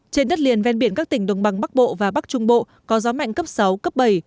trên đất liền ven biển các tỉnh đồng bằng bắc bộ và bắc trung bộ có gió mạnh cấp sáu cấp bảy